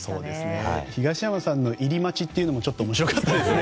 東山さんの入り待ちというのもちょっと面白かったですね。